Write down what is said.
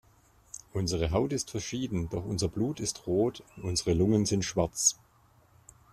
Unsere Haut ist verschieden, doch unser Blut ist rot und unsere Lungen sind schwarz.